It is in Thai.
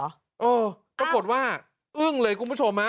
เออปรากฏว่าอึ้งเลยคุณผู้ชมฮะ